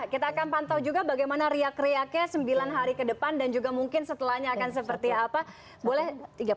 kita akan pantau juga bagaimana riak riaknya sembilan hari ke depan dan juga mungkin setelahnya akan seperti apa boleh